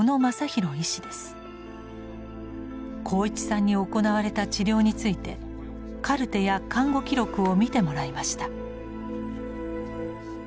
鋼一さんに行われた治療についてカルテや看護記録を見てもらいました。